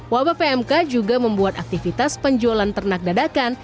wabah pmk juga membuat aktivitas penjualan ternak dadakan